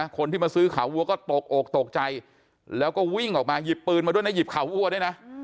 คนที่มาซื้อขาวัวก็ตกอกตกใจแล้วก็วิ่งออกมาหยิบปืนมาด้วยนะหยิบขาวัวด้วยนะ